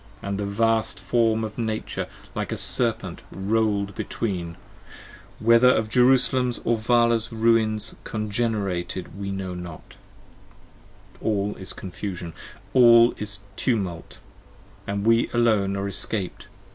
80 And the vast form of Nature like a serpent roll'd between, Whether of Jerusalem's or Vala's ruins congenerated we know not: All is confusion: all is tumult, & we alone are escaped.